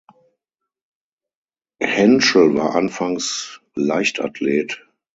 Hentschel war anfangs Leichtathlet.